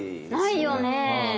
ないよね。